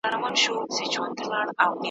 خو بدرنګه وو دا یو عیب یې په کور وو `